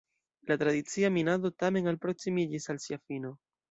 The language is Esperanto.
La tradicia minado tamen alproksimiĝis al sia fino.